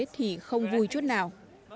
thì không vui chút nào